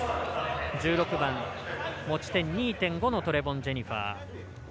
１６番、持ち点２．５のトレボン・ジェニファー。